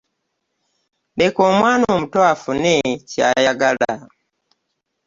Leka omwana omuto afune ky'ayagala.